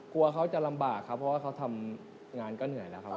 กลัวเขาจะลำบากครับเพราะว่าเขาทำงานก็เหนื่อยแล้วครับ